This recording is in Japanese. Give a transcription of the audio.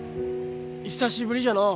久しぶりじゃのう。